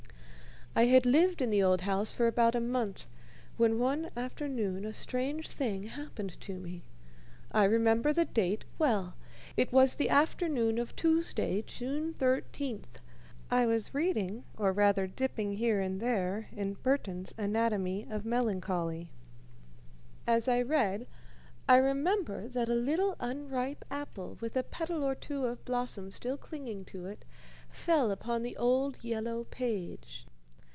I had lived in the old house for about a month, when one afternoon a strange thing happened to me. I remember the date well. It was the afternoon of Tuesday, June 13th. I was reading, or rather dipping here and there, in Burton's Anatomy of Melancholy. As I read, I remember that a little unripe apple, with a petal or two of blossom still clinging to it, fell upon the old yellow page.